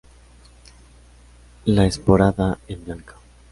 La esporada en blanca.